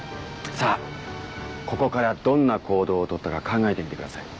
さあここからどんな行動を取ったか考えてみてください。